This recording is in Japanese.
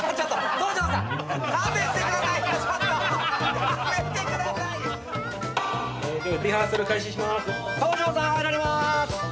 ・東條さん入られまーす。